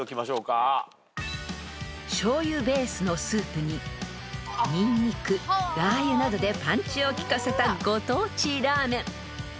［しょうゆベースのスープにニンニクラー油などでパンチを効かせたご当地ラーメン］